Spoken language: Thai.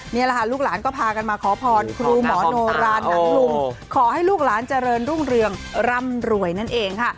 นี้ลูกหลานก็พากันมาขอพรครูหมอโนราขอให้ลูกหลานเจริญรุ่นเรืองร่ำรวยนั่นเอง